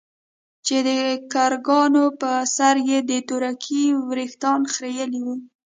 چې دکرکانو په سر يې د تورکي وريښتان خرييلي وو.